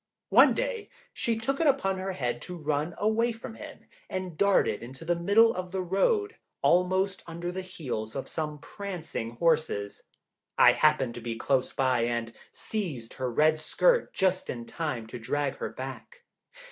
One day she took it into her head to run away from him, and darted into the middle of the road, almost under the heels of some prancing horses. I happened to be close by, and seized her red skirt just in time to drag her back.